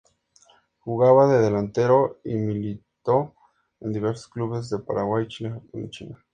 Jugaba de delantero y militó en diversos clubes de Paraguay, Chile, Japón y China.